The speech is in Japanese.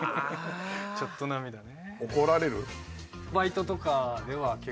ちょっと涙ね。